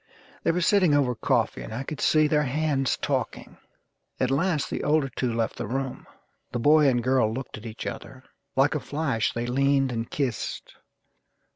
They were sitting over coffee, and I could see their hands talking. At last the older two left the room. The boy and girl looked at each other. ... Like a flash they leaned and kissed.